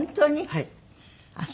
はい。